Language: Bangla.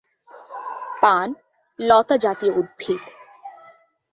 পান লতা জাতীয় উদ্ভিদ।